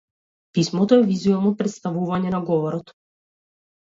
Писмото е визуелно претставување на говорот.